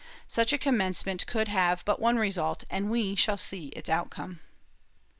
Such a commencement could have but one result and we shall see its outcome.